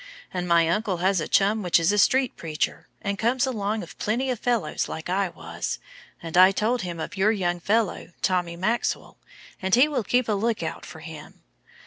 And my uncle has a chum which is a street preacher, and comes along of plenty of fellows like I was, and I told him of your young fellow, Tommy Maxwell, and he will keep a look out for him.